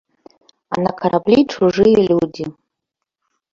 А на караблі чужыя людзі.